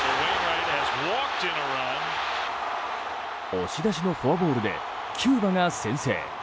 押し出しのフォアボールでキューバが先制。